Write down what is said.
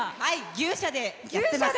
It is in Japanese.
牛舎でやってます。